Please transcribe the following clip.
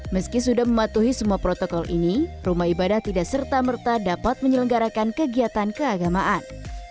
meski sudah mematuhi semua protokol ini rumah ibadah tidak serta merta dapat menyelenggarakan kegiatan keagamaan